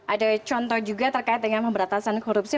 ada contoh juga terkait dengan pemberantasan korupsi